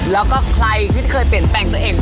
แล้วก็ใครที่เคยเปลี่ยนแปลงตัวเอง